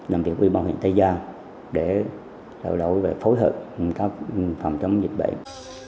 làm việc với ủy ban huyện tây giang để đổi đổi và phối hợp phòng chống dịch bệnh